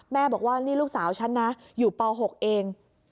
บอกว่านี่ลูกสาวฉันนะอยู่ป๖เอง